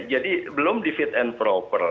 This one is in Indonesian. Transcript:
jadi belum di fit and proper